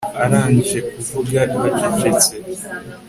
Arangije kuvuga hacecetse